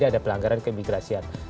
ya ada pelanggaran keimigrasian